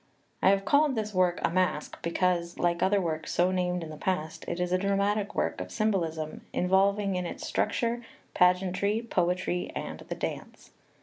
I have called this work a Masque, because like other works so named in the past it is a dramatic work of symbolism involving, in its structure, pageantry, poetry, and the dance.